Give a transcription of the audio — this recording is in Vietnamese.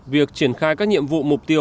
việc triển khai các nhiệm vụ mục tiêu phát triển